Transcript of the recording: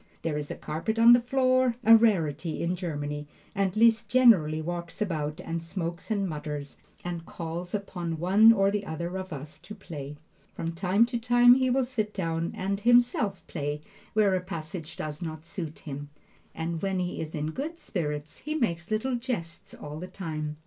There is a carpet on the floor, a rarity in Germany, and Liszt generally walks about and smokes and mutters, and calls upon one or the other of us to play. From time to time he will sit down and himself play where a passage does not suit him, and when he is in good spirits he makes little jests all the time.